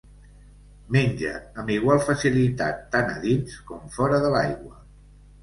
Menja amb igual facilitat tant a dins com fora de l'aigua.